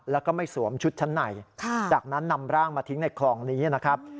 แล้วก็ไม่สวมชุดชั้นในจากนั้นนำร่างมาทิ้งในคลองนี้นะครับ